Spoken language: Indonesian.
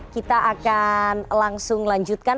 kita akan langsung lanjutkan